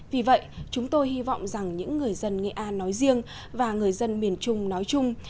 vì vậy chúng tôi hy vọng rằng những người dân nghệ an nói riêng và người dân miền trung nói chung